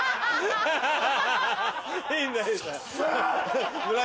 ハハハ